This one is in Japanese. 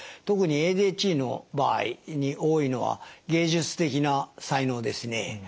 特にＡＤＨＤの場合に多いのは芸術的な才能ですね。